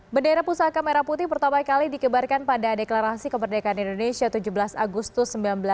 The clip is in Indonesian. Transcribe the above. bendera pusaka merah putih pertama kali dikebarkan pada deklarasi kemerdekaan indonesia tujuh belas agustus seribu sembilan ratus empat puluh lima